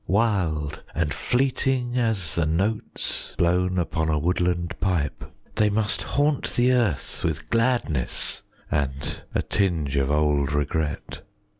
Wild and fleeting as the notes Blown upon a woodland pipe, 30 They must haunt the earth with gladness And a tinge of old regret.